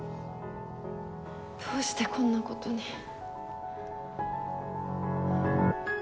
どうしてこんな事に。